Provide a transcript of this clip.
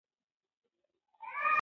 هغه وویل چې ټولنيزې شبکې ذهنونه بیداروي.